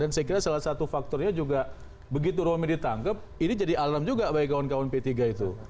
dan saya kira salah satu faktornya juga begitu romelie ditangkep ini jadi alarm juga bagi kawan kawan p tiga itu